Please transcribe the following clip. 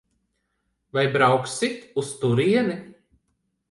Vai brauksit uz turieni?